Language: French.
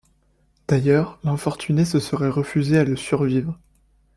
D’ailleurs, l’infortunée se serait refusée à lui survivre.